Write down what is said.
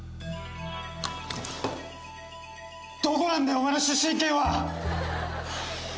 どこなんだよお前の出身県は！